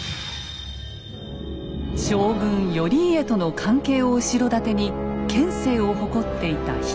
将軍・頼家との関係を後ろ盾に権勢を誇っていた比企能員。